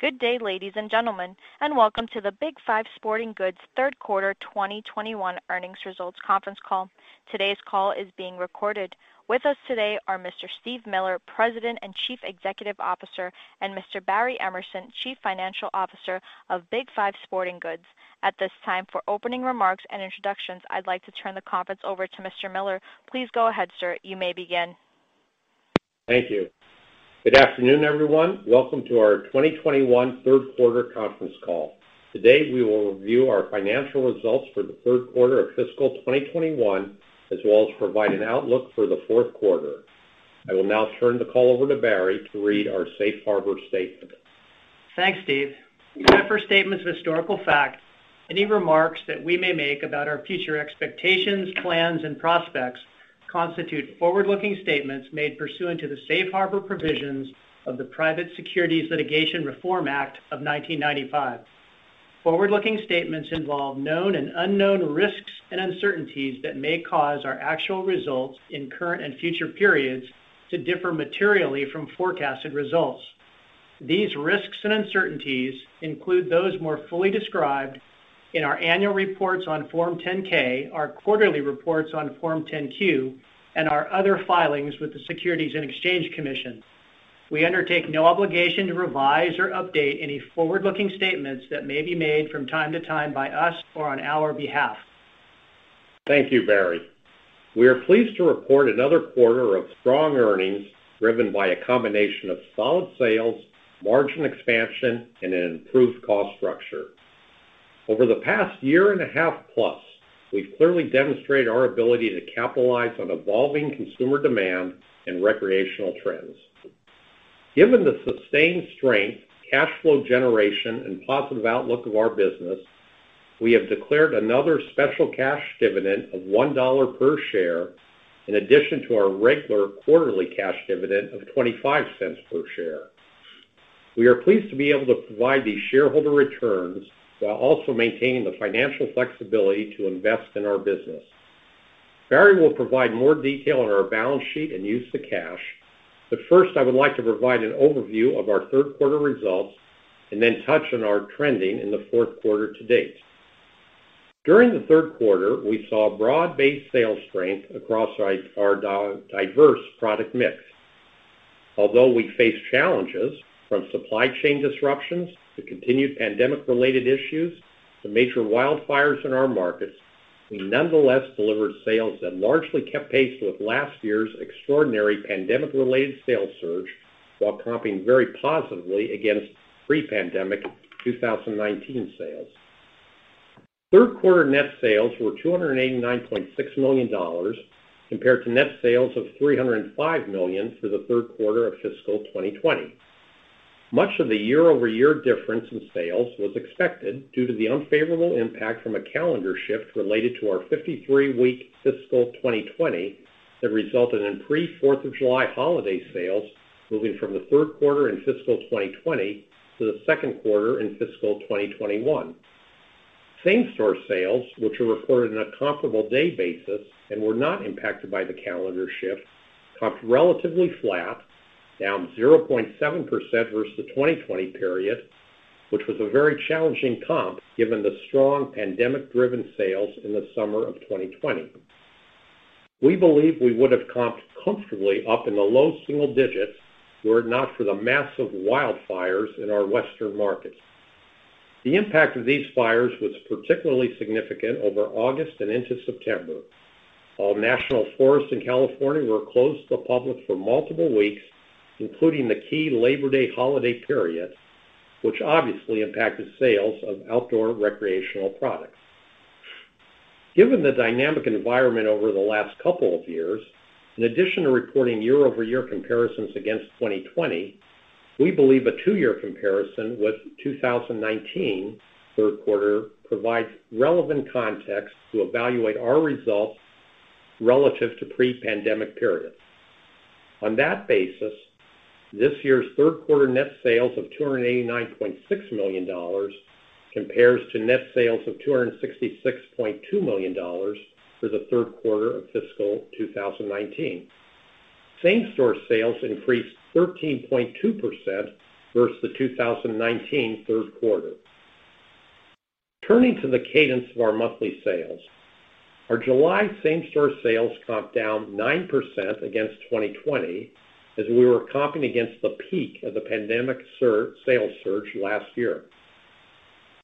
Good day, ladies and gentlemen, and welcome to the Big 5 Sporting Goods third quarter 2021 earnings results conference call. Today's call is being recorded. With us today are Mr. Steve Miller, President and Chief Executive Officer, and Mr. Barry Emerson, Chief Financial Officer of Big 5 Sporting Goods. At this time, for opening remarks and introductions, I'd like to turn the conference over to Mr. Miller. Please go ahead, sir. You may begin. Thank you. Good afternoon, everyone. Welcome to our 2021 third quarter conference call. Today, we will review our financial results for the third quarter of fiscal 2021, as well as provide an outlook for the fourth quarter. I will now turn the call over to Barry to read our Safe Harbor Statement. Thanks, Steve. Except for statements of historical fact, any remarks that we may make about our future expectations, plans, and prospects constitute forward-looking statements made pursuant to the Safe Harbor provisions of the Private Securities Litigation Reform Act of 1995. Forward-looking statements involve known and unknown risks and uncertainties that may cause our actual results in current and future periods to differ materially from forecasted results. These risks and uncertainties include those more fully described in our annual reports on Form 10-K, our quarterly reports on Form 10-Q, and our other filings with the Securities and Exchange Commission. We undertake no obligation to revise or update any forward-looking statements that may be made from time to time by us or on our behalf. Thank you, Barry. We are pleased to report another quarter of strong earnings driven by a combination of solid sales, margin expansion, and an improved cost structure. Over the past 1.5+ year, we've clearly demonstrated our ability to capitalize on evolving consumer demand and recreational trends. Given the sustained strength, cash flow generation, and positive outlook of our business, we have declared another special cash dividend of $1 per share in addition to our regular quarterly cash dividend of $0.25 per share. We are pleased to be able to provide these shareholder returns while also maintaining the financial flexibility to invest in our business. Barry will provide more detail on our balance sheet and use of cash, but first, I would like to provide an overview of our third quarter results and then touch on our trending in the fourth quarter to date. During the third quarter, we saw broad-based sales strength across our diverse product mix. Although we faced challenges from supply chain disruptions to continued pandemic-related issues to major wildfires in our markets, we nonetheless delivered sales that largely kept pace with last year's extraordinary pandemic-related sales surge while comping very positively against pre-pandemic 2019 sales. Third quarter net sales were $289.6 million compared to net sales of $305 million for the third quarter of fiscal 2020. Much of the year-over-year difference in sales was expected due to the unfavorable impact from a calendar shift related to our 53-week fiscal 2020 that resulted in pre-4th of July holiday sales moving from the third quarter in fiscal 2020 to the second quarter in fiscal 2021. Same-store sales, which are reported on a comparable day basis and were not impacted by the calendar shift, comped relatively flat, down 0.7% versus the 2020 period, which was a very challenging comp given the strong pandemic-driven sales in the summer of 2020. We believe we would have comped comfortably up in the low single digits were it not for the massive wildfires in our western markets. The impact of these fires was particularly significant over August and into September. All national forests in California were closed to the public for multiple weeks, including the key Labor Day holiday period, which obviously impacted sales of outdoor recreational products. Given the dynamic environment over the last couple of years, in addition to reporting year-over-year comparisons against 2020, we believe a two-year comparison with 2019 third quarter provides relevant context to evaluate our results relative to pre-pandemic periods. On that basis, this year's third quarter net sales of $289.6 million compares to net sales of $266.2 million for the third quarter of fiscal 2019. Same-store sales increased 13.2% versus the 2019 third quarter. Turning to the cadence of our monthly sales, our July same-store sales comped down 9% against 2020 as we were comping against the peak of the pandemic sales surge last year.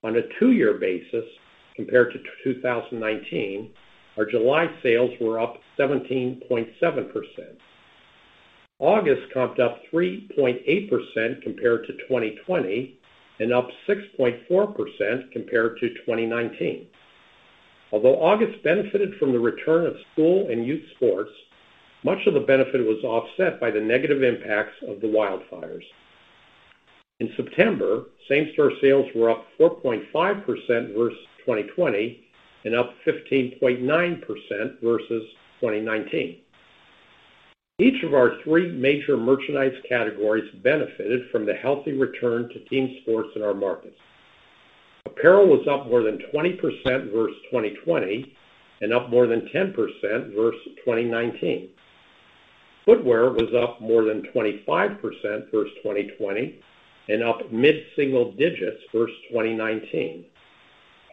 On a two-year basis compared to 2019, our July sales were up 17.7%. August comped up 3.8% compared to 2020 and up 6.4% compared to 2019. Although August benefited from the return of school and youth sports, much of the benefit was offset by the negative impacts of the wildfires. In September, same-store sales were up 4.5% versus 2020 and up 15.9% versus 2019. Each of our three major merchandise categories benefited from the healthy return to team sports in our markets. Apparel was up more than 20% versus 2020 and up more than 10% versus 2019. Footwear was up more than 25% versus 2020 and up mid-single digits versus 2019.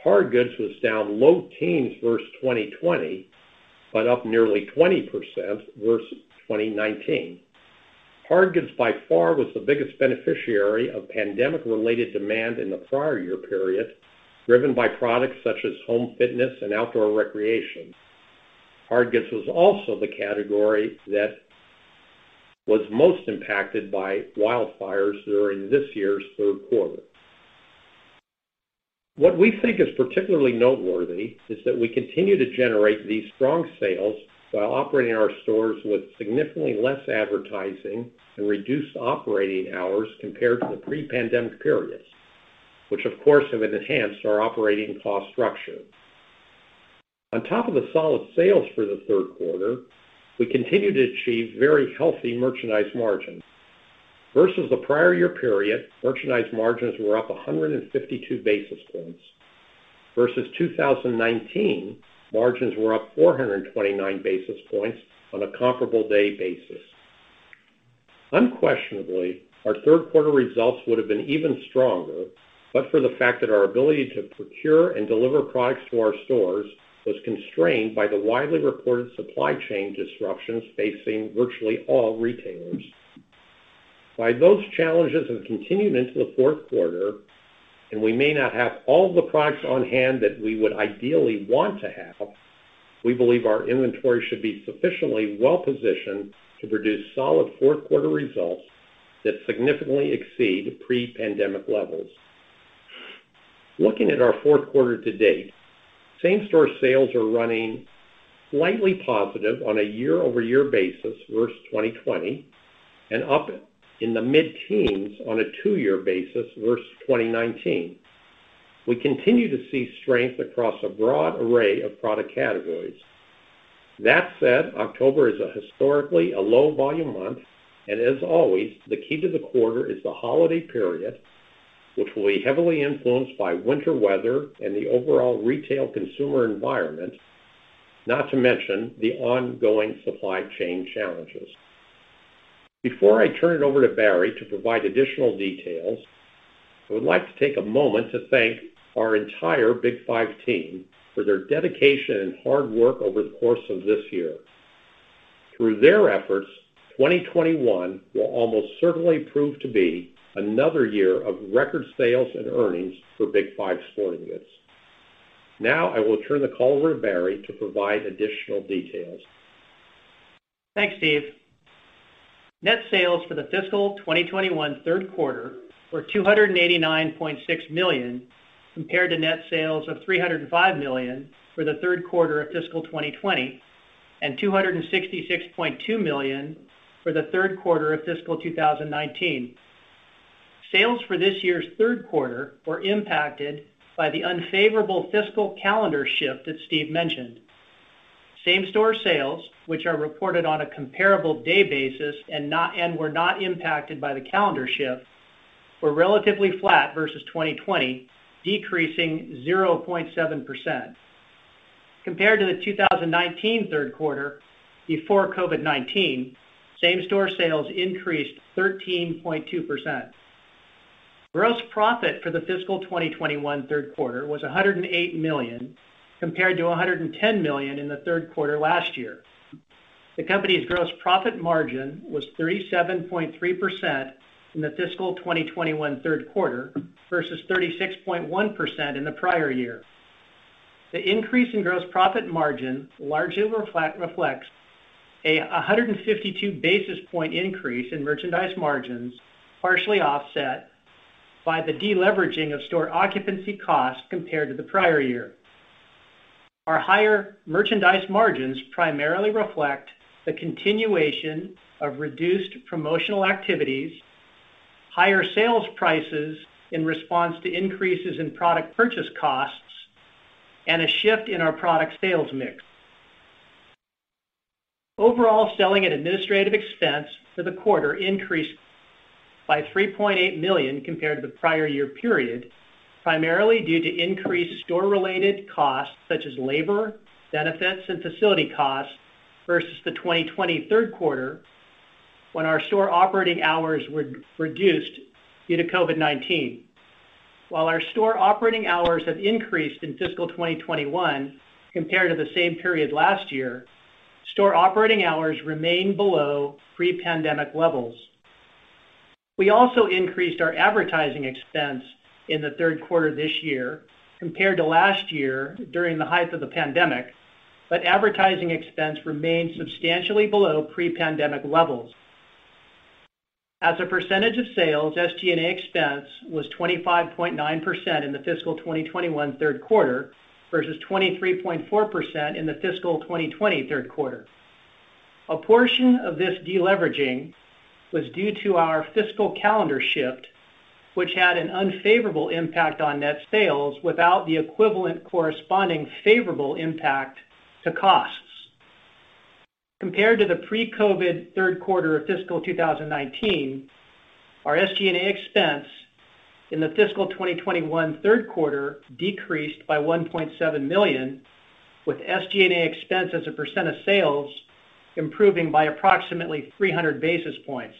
Hard goods was down low teens versus 2020, but up nearly 20% versus 2019. Hard goods, by far, was the biggest beneficiary of pandemic-related demand in the prior year period, driven by products such as home fitness and outdoor recreation. Hard goods was also the category that was most impacted by wildfires during this year's third quarter. What we think is particularly noteworthy is that we continue to generate these strong sales while operating our stores with significantly less advertising and reduced operating hours compared to the pre-pandemic periods, which, of course, have enhanced our operating cost structure. On top of the solid sales for the third quarter, we continue to achieve very healthy merchandise margins. Versus the prior year period, merchandise margins were up 152 basis points. Versus 2019, margins were up 429 basis points on a comparable day basis. Unquestionably, our third quarter results would have been even stronger but for the fact that our ability to procure and deliver products to our stores was constrained by the widely reported supply chain disruptions facing virtually all retailers. While those challenges have continued into the fourth quarter, and we may not have all the products on hand that we would ideally want to have, we believe our inventory should be sufficiently well positioned to produce solid fourth quarter results that significantly exceed pre-pandemic levels. Looking at our fourth quarter to date, same-store sales are running slightly positive on a year-over-year basis versus 2020 and up in the mid-teens on a two-year basis versus 2019. We continue to see strength across a broad array of product categories. That said, October is historically a low volume month, and as always, the key to the quarter is the holiday period, which will be heavily influenced by winter weather and the overall retail consumer environment, not to mention the ongoing supply chain challenges. Before I turn it over to Barry to provide additional details, I would like to take a moment to thank our entire Big 5 team for their dedication and hard work over the course of this year. Through their efforts, 2021 will almost certainly prove to be another year of record sales and earnings for Big 5 Sporting Goods. Now, I will turn the call over to Barry to provide additional details. Thanks, Steve. Net sales for the fiscal 2021 third quarter were $289.6 million compared to net sales of $305 million for the third quarter of fiscal 2020 and $266.2 million for the third quarter of fiscal 2019. Sales for this year's third quarter were impacted by the unfavorable fiscal calendar shift that Steve mentioned. Same-store sales, which are reported on a comparable day basis and were not impacted by the calendar shift, were relatively flat versus 2020, decreasing 0.7%. Compared to the 2019 third quarter before COVID-19, same-store sales increased 13.2%. Gross profit for the fiscal 2021 third quarter was $108 million compared to $110 million in the third quarter last year. The company's gross profit margin was 37.3% in the fiscal 2021 third quarter versus 36.1% in the prior year. The increase in gross profit margin largely reflects a 152 basis point increase in merchandise margins, partially offset by the deleveraging of store occupancy costs compared to the prior year. Our higher merchandise margins primarily reflect the continuation of reduced promotional activities, higher sales prices in response to increases in product purchase costs, and a shift in our product sales mix. Overall, selling and administrative expense for the quarter increased by $3.8 million compared to the prior year period, primarily due to increased store-related costs such as labor, benefits, and facility costs versus the 2020 third quarter when our store operating hours were reduced due to COVID-19. While our store operating hours have increased in fiscal 2021 compared to the same period last year, store operating hours remain below pre-pandemic levels. We also increased our advertising expense in the third quarter this year compared to last year during the height of the pandemic, but advertising expense remains substantially below pre-pandemic levels. As a percentage of sales, SG&A expense was 25.9% in the fiscal 2021 third quarter versus 23.4% in the fiscal 2020 third quarter. A portion of this deleveraging was due to our fiscal calendar shift, which had an unfavorable impact on net sales without the equivalent corresponding favorable impact to costs. Compared to the pre-COVID third quarter of fiscal 2019, our SG&A expense in the fiscal 2021 third quarter decreased by $1.7 million, with SG&A expense as a percent of sales improving by approximately 300 basis points.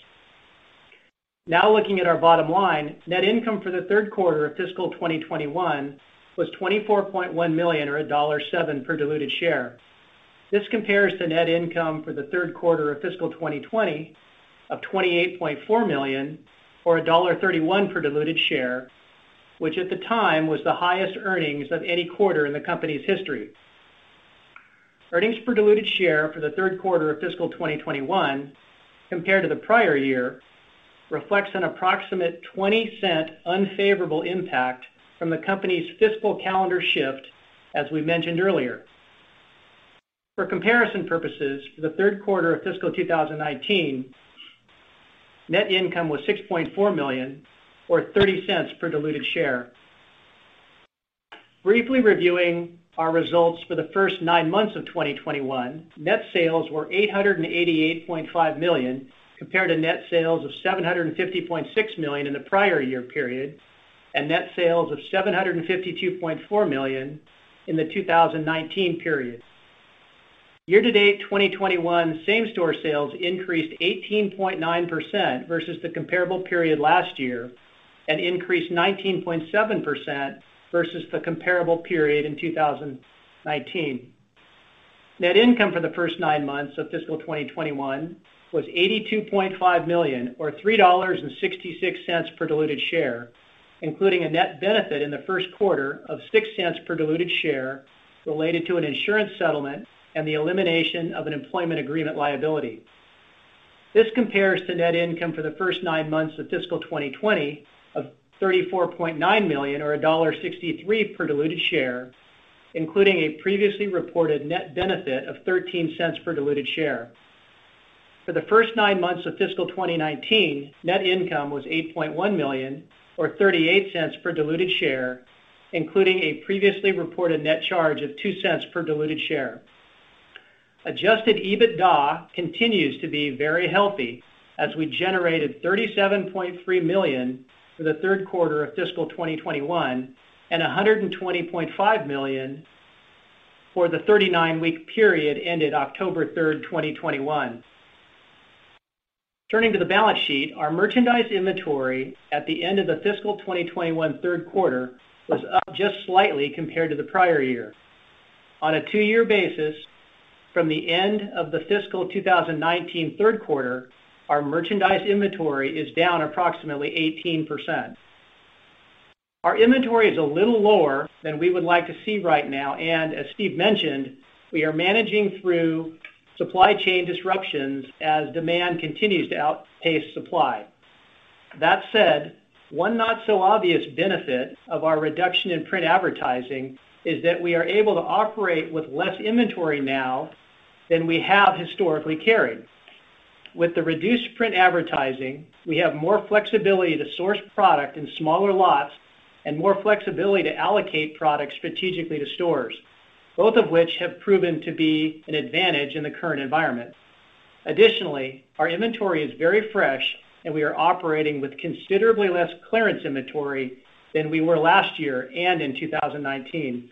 Now looking at our bottom line, net income for the third quarter of fiscal 2021 was $24.1 million or $1.07 per diluted share. This compares to net income for the third quarter of fiscal 2020 of $28.4 million or $1.31 per diluted share, which at the time was the highest earnings of any quarter in the company's history. Earnings per diluted share for the third quarter of fiscal 2021 compared to the prior year reflects an approximate $0.20 unfavorable impact from the company's fiscal calendar shift, as we mentioned earlier. For comparison purposes, for the third quarter of fiscal 2019, net income was $6.4 million or $0.30 per diluted share. Briefly reviewing our results for the first nine months of 2021, net sales were $888.5 million, compared to net sales of $750.6 million in the prior year period and net sales of $752.4 million in the 2019 period. Year-to-date 2021 same-store sales increased 18.9% versus the comparable period last year and increased 19.7% versus the comparable period in 2019. Net income for the first nine months of fiscal 2021 was $82.5 million or $3.66 per diluted share, including a net benefit in the first quarter of $0.06 per diluted share related to an insurance settlement and the elimination of an employment agreement liability. This compares to net income for the first nine months of fiscal 2020 of $34.9 million or $1.63 per diluted share, including a previously reported net benefit of $0.13 per diluted share. For the first nine months of fiscal 2019, net income was $8.1 million or $0.38 per diluted share, including a previously reported net charge of $0.02 per diluted share. Adjusted EBITDA continues to be very healthy as we generated $37.3 million for the third quarter of fiscal 2021 and $120.5 million for the 39-week period ended October 3rd, 2021. Turning to the balance sheet, our merchandise inventory at the end of the fiscal 2021 third quarter was up just slightly compared to the prior year. On a two-year basis, from the end of the fiscal 2019 third quarter, our merchandise inventory is down approximately 18%. Our inventory is a little lower than we would like to see right now, and as Steve mentioned, we are managing through supply chain disruptions as demand continues to outpace supply. That said, one not so obvious benefit of our reduction in print advertising is that we are able to operate with less inventory now than we have historically carried. With the reduced print advertising, we have more flexibility to source product in smaller lots and more flexibility to allocate product strategically to stores, both of which have proven to be an advantage in the current environment. Additionally, our inventory is very fresh, and we are operating with considerably less clearance inventory than we were last year and in 2019.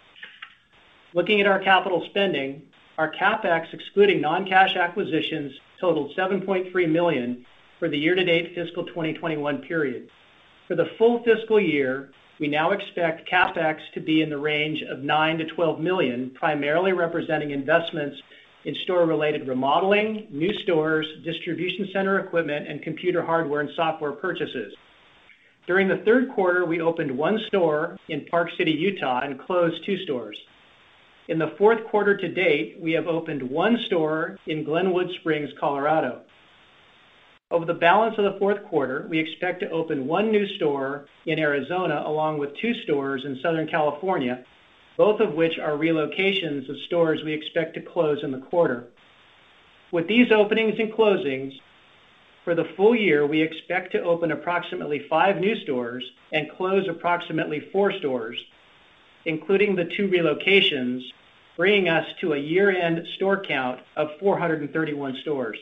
Looking at our capital spending, our CapEx, excluding non-cash acquisitions, totaled $7.3 million for the year-to-date fiscal 2021 period. For the full fiscal year, we now expect CapEx to be in the range of $9 million-$12 million, primarily representing investments in store-related remodeling, new stores, distribution center equipment, and computer hardware and software purchases. During the third quarter, we opened one store in Park City, Utah, and closed two stores. In the fourth quarter to date, we have opened one store in Glenwood Springs, Colorado. Over the balance of the fourth quarter, we expect to open one new store in Arizona along with two stores in Southern California, both of which are relocations of stores we expect to close in the quarter. With these openings and closings, for the full year, we expect to open approximately five new stores and close approximately four stores, including the two relocations, bringing us to a year-end store count of 431 stores.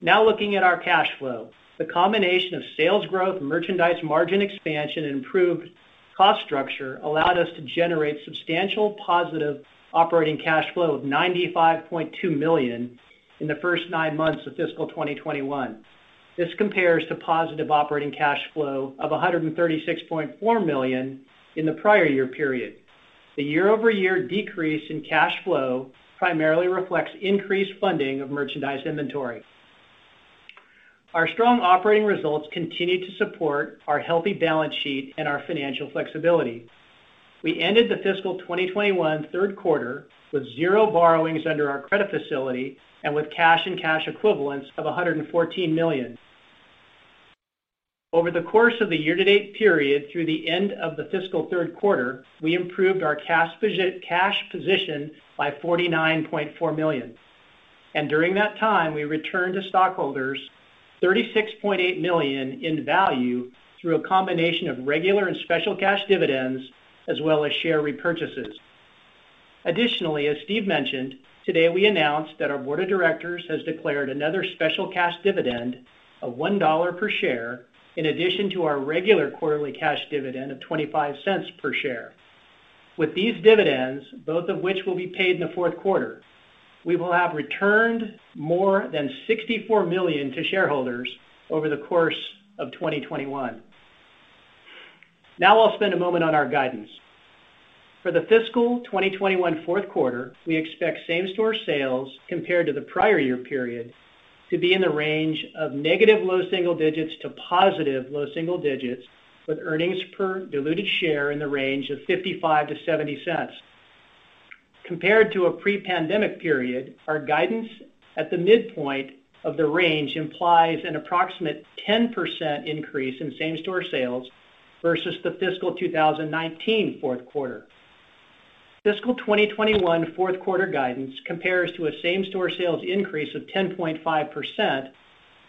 Now looking at our cash flow. The combination of sales growth, merchandise margin expansion, and improved cost structure allowed us to generate substantial positive operating cash flow of $95.2 million in the first nine months of fiscal 2021. This compares to positive operating cash flow of $136.4 million in the prior year period. The year-over-year decrease in cash flow primarily reflects increased funding of merchandise inventory. Our strong operating results continue to support our healthy balance sheet and our financial flexibility. We ended the fiscal 2021 third quarter with zero borrowings under our credit facility and with cash and cash equivalents of $114 million. Over the course of the year-to-date period through the end of the fiscal third quarter, we improved our cash position by $49.4 million. During that time, we returned to stockholders $36.8 million in value through a combination of regular and special cash dividends, as well as share repurchases. Additionally, as Steve mentioned, today, we announced that our board of directors has declared another special cash dividend of $1 per share in addition to our regular quarterly cash dividend of $0.25 per share. With these dividends, both of which will be paid in the fourth quarter, we will have returned more than $64 million to shareholders over the course of 2021. Now I'll spend a moment on our guidance. For the fiscal 2021 fourth quarter, we expect same-store sales compared to the prior year period to be in the range of negative low single digits to positive low single digits, with earnings per diluted share in the range of $0.55-$0.70. Compared to a pre-pandemic period, our guidance at the midpoint of the range implies an approximate 10% increase in same-store sales versus the fiscal 2019 fourth quarter. Fiscal 2021 fourth quarter guidance compares to a same-store sales increase of 10.5%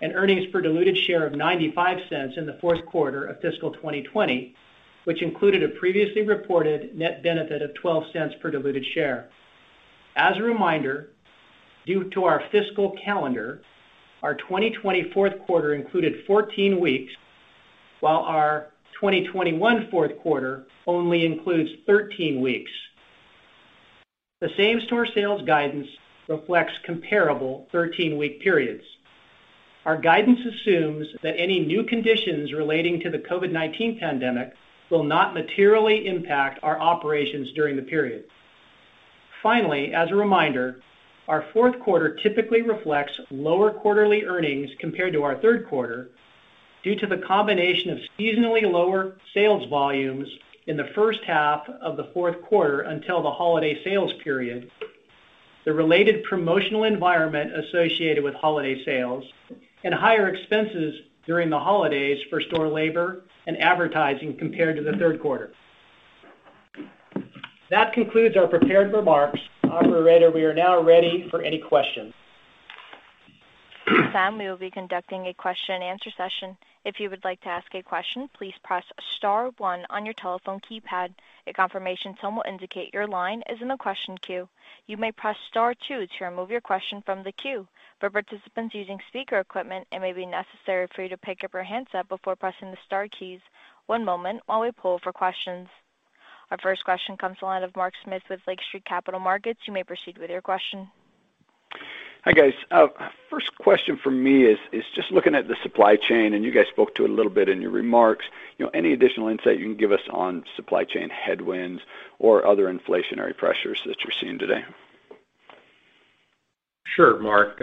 and earnings per diluted share of $0.95 in the fourth quarter of fiscal 2020, which included a previously reported net benefit of $0.12 per diluted share. As a reminder, due to our fiscal calendar, our 2021 fourth quarter included 14 weeks, while our 2020 fourth quarter only includes 13 weeks. The same-store sales guidance reflects comparable 13-week periods. Our guidance assumes that any new conditions relating to the COVID-19 pandemic will not materially impact our operations during the period. Finally, as a reminder, our fourth quarter typically reflects lower quarterly earnings compared to our third quarter due to the combination of seasonally lower sales volumes in the first half of the fourth quarter until the holiday sales period, the related promotional environment associated with holiday sales, and higher expenses during the holidays for store labor and advertising compared to the third quarter. That concludes our prepared remarks. Operator, we are now ready for any questions. [some] We will be conducting a question and answer session. If you would like to ask a question, please press star one on your telephone keypad. A confirmation tone will indicate your line is in the question queue. You may press star two to remove your question from the queue. For participants using speaker equipment, it may be necessary for you to pick up your handset before pressing the star keys. One moment while we poll for questions. Our first question comes to the line of Mark Smith with Lake Street Capital Markets. You may proceed with your question. Hi, guys. First question from me is just looking at the supply chain, and you guys spoke to it a little bit in your remarks. You know, any additional insight you can give us on supply chain headwinds or other inflationary pressures that you're seeing today? Sure, Mark.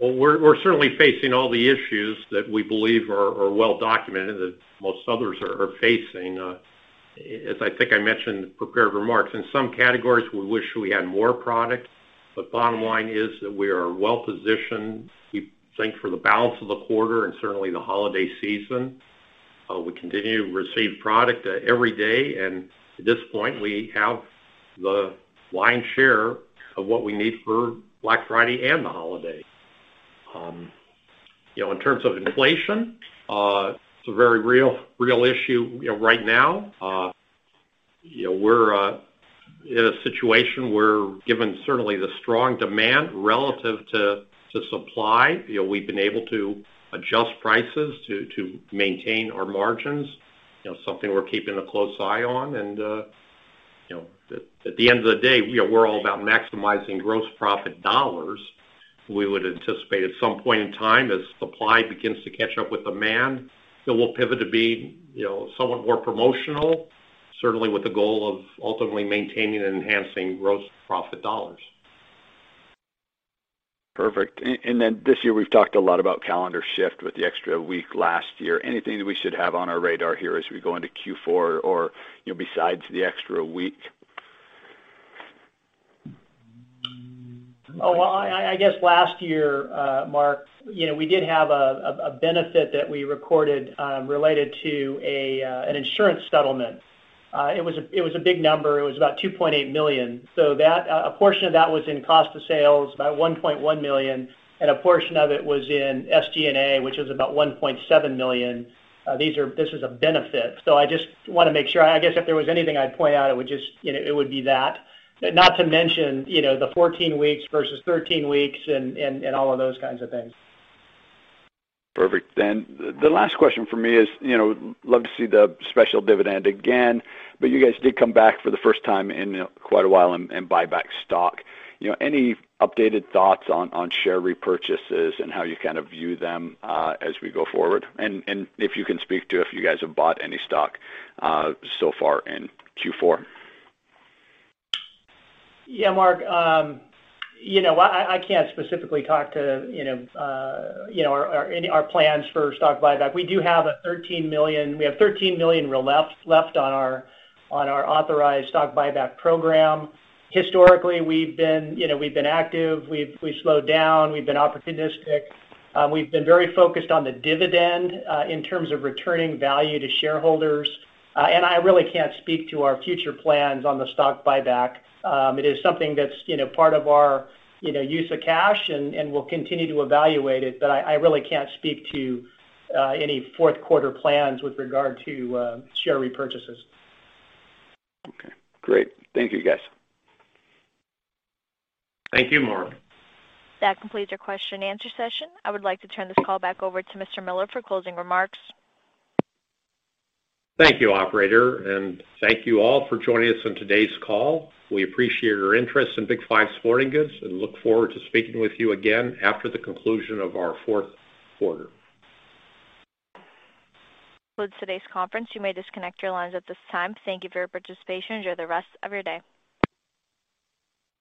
We're certainly facing all the issues that we believe are well documented that most others are facing. As I think I mentioned in the prepared remarks, in some categories, we wish we had more product, but bottom line is that we are well positioned, we think, for the balance of the quarter and certainly the holiday season. We continue to receive product every day, and at this point, we have the lion's share of what we need for Black Friday and the holiday. You know, in terms of inflation, it's a very real issue, you know, right now. You know, we're in a situation where, given certainly the strong demand relative to supply, you know, we've been able to adjust prices to maintain our margins, you know, something we're keeping a close eye on. You know, at the end of the day, you know, we're all about maximizing gross profit dollars. We would anticipate at some point in time as supply begins to catch up with demand, that we'll pivot to be, you know, somewhat more promotional, certainly with the goal of ultimately maintaining and enhancing gross profit dollars. Perfect. This year, we've talked a lot about calendar shift with the extra week last year. Anything that we should have on our radar here as we go into Q4 or, you know, besides the extra week? I guess last year, Mark, you know, we did have a benefit that we recorded, related to an insurance settlement. It was a big number. It was about $2.8 million. A portion of that was in cost of sales, about $1.1 million, and a portion of it was in SG&A, which is about $1.7 million. This was a benefit. I just want to make sure. I guess if there was anything I'd point out, it would just, you know, it would be that. Not to mention, you know, the 14 weeks versus 13 weeks and all of those kinds of things. Perfect. The last question from me is, you know, love to see the special dividend again, but you guys did come back for the first time in quite a while and buy back stock. You know, any updated thoughts on share repurchases and how you kind of view them as we go forward? If you can speak to if you guys have bought any stock so far in Q4. Yeah, Mark, you know, I can't specifically talk to you know our any of our plans for stock buyback. We have 13 million left on our authorized stock buyback program. Historically, we've been active. We've slowed down. We've been opportunistic. We've been very focused on the dividend in terms of returning value to shareholders. I really can't speak to our future plans on the stock buyback. It is something that's you know part of our you know use of cash and we'll continue to evaluate it. I really can't speak to any fourth quarter plans with regard to share repurchases. Okay, great. Thank you, guys. Thank you, Mark. That completes your question and answer session. I would like to turn this call back over to Mr. Miller for closing remarks. Thank you, operator, and thank you all for joining us on today's call. We appreciate your interest in Big 5 Sporting Goods and look forward to speaking with you again after the conclusion of our fourth quarter. That concludes today's conference. You may disconnect your lines at this time. Thank you for your participation. Enjoy the rest of your day.